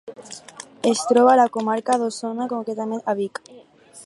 Es troba a la comarca d'Osona, concretament a Vic.